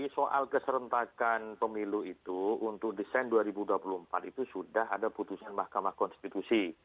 soal keserentakan pemilu itu untuk desain dua ribu dua puluh empat itu sudah ada putusan mahkamah konstitusi